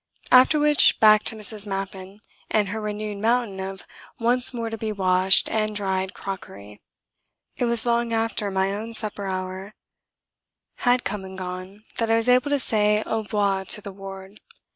After which, back to Mrs. Mappin and her renewed mountain of once more to be washed and dried crockery. It was long after my own supper hour had come and gone that I was able to say au revoir to the ward.